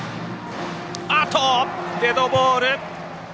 デッドボール。